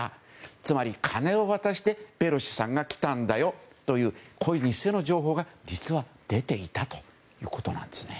つまり金を渡してペロシさんが来たんだというこういう偽の情報が実は出ていたということなんですね。